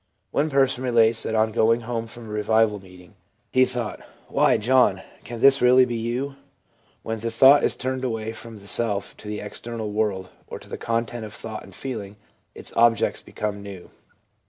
One person relates that on going home from a revival meeting he thought, ' Why, John , can this really be you ?' When the thought is turned away from the self to the external world or to the content of thought and feeling, its objects become new.